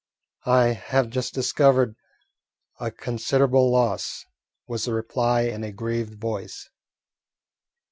"I have just discovered a considerable loss," was the reply in a grieved voice.